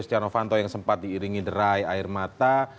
jc yang sempat diiringi derai air mata